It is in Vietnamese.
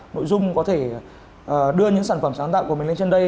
nội dung có thể đưa những sản phẩm sáng tạo của mình lên trên đây